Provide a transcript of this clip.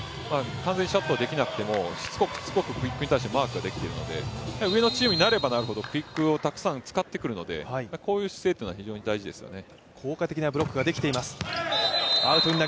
完全にシャットはできなくてもしつこくしつこくクイックに対してマークができているので上のチームになればなるほどクイックをたくさん使ってくるのでこういう姿勢というのは非常に大事ですよね。